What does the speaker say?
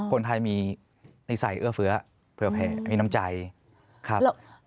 คนไทยมีนิสัยเอื้อเฟื้อเผื่อแผลมีน้ำใจครับ